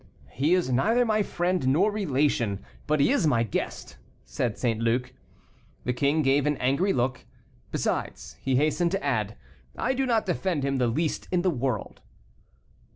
"He is neither my friend nor relation, but he is my guest," said St. Luc. The king gave an angry look. "Besides," he hastened to add, "I do not defend him the least in the world."